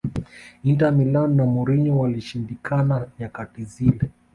Inter Milan na Mourinho walishindikana nyakati zile